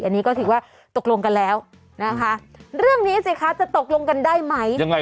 อันนี้ก็ถือว่าตกลงกันแล้วนะคะเรื่องนี้สิคะจะตกลงกันได้ไหมยังไง